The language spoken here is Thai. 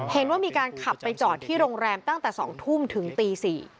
เห็นว่ามีการขับไปจอดที่โรงแรมตั้งแต่๒ทุ่มถึงตี๔